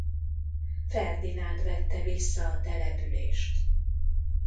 Ferdinánd vette vissza a települést.